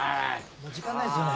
もう時間ないですよね。